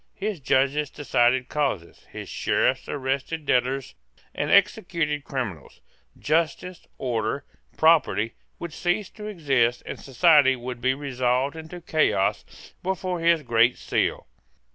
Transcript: His judges decided causes. His Sheriffs arrested debtors and executed criminals. Justice, order, property, would cease to exist, and society would be resolved into chaos, but for his Great Seal.